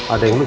ada yang lucu